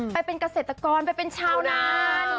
ไปเป็นเกษตรกรไปเป็นชาวนาน